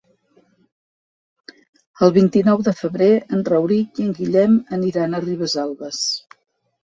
El vint-i-nou de febrer en Rauric i en Guillem aniran a Ribesalbes.